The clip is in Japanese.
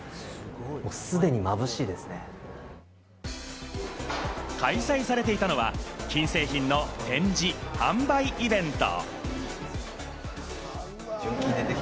すでに開催されていたのは金製品の展示・販売イベント。